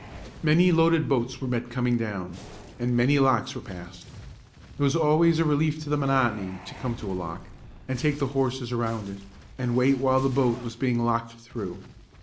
Many loaded boats were met coming down, and many locks were passed. It was always a relief to the monotony to come to a lock, and take the horses around it, and wait while the boat was being locked through.